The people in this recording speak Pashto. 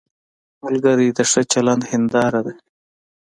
ملګری د ښه چلند هنداره ده